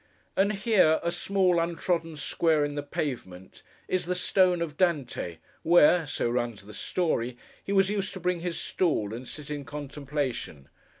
And here, a small untrodden square in the pavement, is 'the Stone of DANTE,' where (so runs the story) he was used to bring his stool, and sit in contemplation.